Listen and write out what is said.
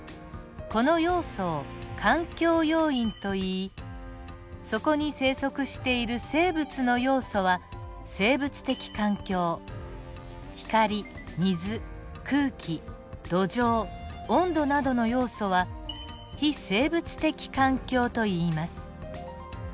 この要素を環境要因といいそこに生息している生物の要素は生物的環境光水空気土壌温度などの要素は非生物的環境といいます。